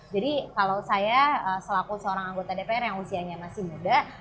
jadi kalau saya selaku seorang anggota dpr yang usianya masih muda